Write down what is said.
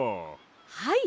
はい！